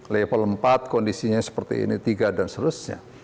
level empat kondisinya seperti ini tiga dan seterusnya